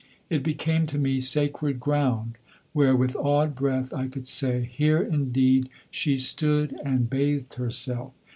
It became to me sacred ground, where with awed breath I could say, "Here indeed she stood and bathed herself.